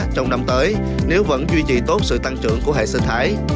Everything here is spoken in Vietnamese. trong năm tới nếu vẫn duy trì tốt sự tăng trưởng của hệ sinh thái